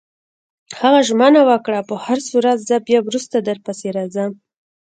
هغه ژمنه وکړه: په هرصورت، زه بیا وروسته درپسې راځم.